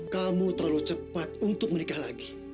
kamu terlalu cepat untuk menikah lagi